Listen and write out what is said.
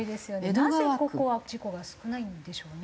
なぜここは事故が少ないんでしょうね？